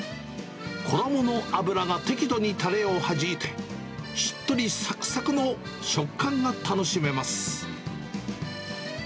衣の油が適度にたれをはじいて、しっとりさくさくの食感が楽しめます。